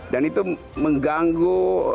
dan itu mengganggu